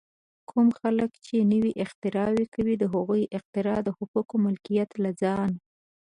کوم خلک چې نوې اختراع کوي، د هغې اختراع د حقوقو ملکیت له ځان